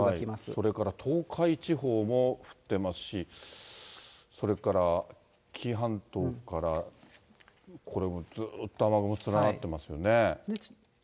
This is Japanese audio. それから東海地方も降ってますし、それから紀伊半島から、これもずっと雨雲連なってますよね。